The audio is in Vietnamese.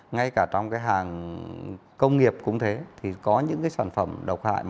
ngay cả trong cái hàng công nghiệp cũng thế thì có những cái sản phẩm độc hại